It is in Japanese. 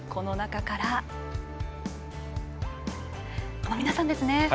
この皆さんです。